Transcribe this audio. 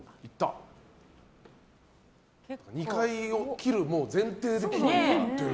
２回切る前提でやってる。